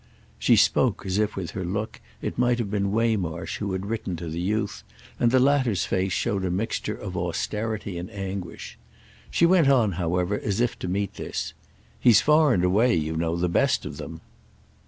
She spoke as if, with her look, it might have been Waymarsh who had written to the youth, and the latter's face showed a mixture of austerity and anguish. She went on however as if to meet this. "He's far and away, you know, the best of them."